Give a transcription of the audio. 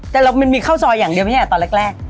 แต่มันมีข้าวซอยอย่างเดียวไหมเนี่ยตอนแรก